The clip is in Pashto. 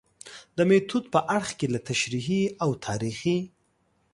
د میتود په اړخ کې له تشریحي او تاریخي